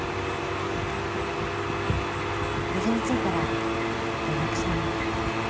無事に着いたら連絡してね。